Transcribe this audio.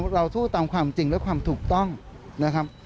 เราสู้ตามความจริงและความถูกต้องนะครับ